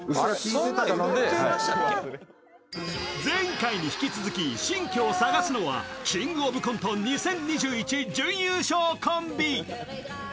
前回に引き続き新居を探すのは、「キングオブコント２０２１」準優勝コンビ。